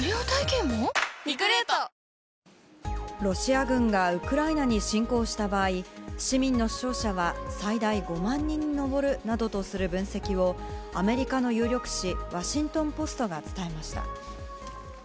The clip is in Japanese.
ロシア軍がウクライナに侵攻した場合市民の死傷者は最大５万人に上るなどとする分析をアメリカの有力紙ワシントン・ポストが伝えました。